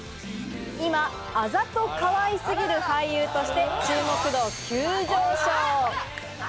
今あざとかわいすぎる俳優として注目度急上昇。